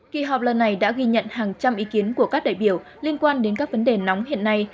kỳ họp lần này đã ghi nhận hàng trăm ý kiến của các đại biểu liên quan đến các vấn đề nóng hiện nay